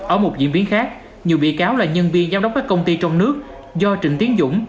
ở một diễn biến khác nhiều bị cáo là nhân viên giám đốc các công ty trong nước do trịnh tiến dũng